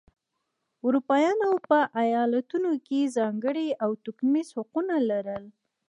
اروپایانو په ایالتونو کې ځانګړي او توکمیز حقونه لرل.